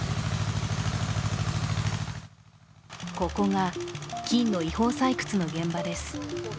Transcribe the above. ここが金の違法採掘の現場です。